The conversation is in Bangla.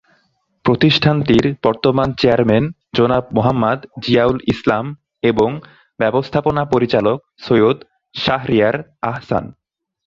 প্রতিষ্ঠানটির বর্তমান চেয়ারম্যান জনাব মোহাম্মদ জিয়াউল ইসলাম এবং ব্যবস্থাপনা পরিচালক সৈয়দ শাহরিয়ার আহসান।